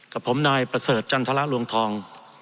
กับผมนายประเสริฐจันทรลวงทอง